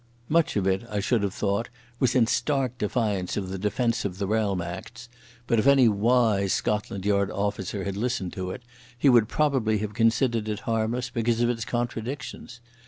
Much of it, I should have thought, was in stark defiance of the Defence of the Realm Acts, but if any wise Scotland Yard officer had listened to it he would probably have considered it harmless because of its contradictions.